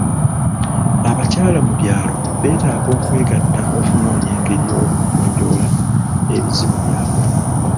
Abakyala mu byalo beetaaga okwegatta okunoonya engeri y'okugonjoola ebizibu byabwe.